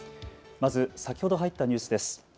まず先ほど入ったニュースです。